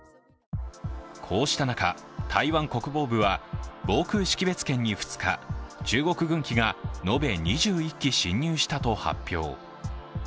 こうした中、台湾国防部は防空識別圏に２日中国軍機が、延べ２１機侵入したと発表。